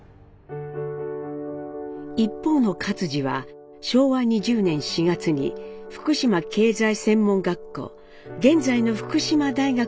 一方の克爾は昭和２０年４月に福島經濟専門学校現在の福島大学に入学。